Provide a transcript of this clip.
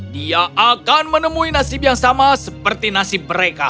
dia akan menemui nasib yang sama seperti nasib mereka